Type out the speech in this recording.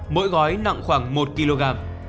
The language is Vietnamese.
mỗi gói nặng khoảng một kg